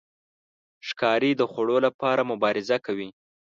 ښکاري د خوړو لپاره مبارزه کوي.